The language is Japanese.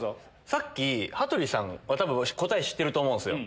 さっき羽鳥さん多分答え知ってると思うんすよ。